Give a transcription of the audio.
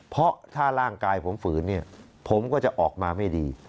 เพราะถ้าร่างกายผมฝืนเนี่ยผมก็จะออกมาไม่ดี